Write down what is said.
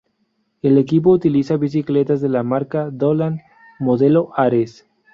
El equipo utiliza bicicletas de la marca Dolan, modelo Ares.